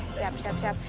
siap siap siap